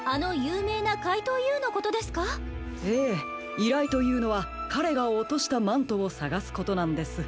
いらいというのはかれがおとしたマントをさがすことなんです。